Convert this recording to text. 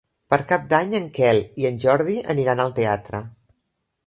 Per Cap d'Any en Quel i en Jordi aniran al teatre.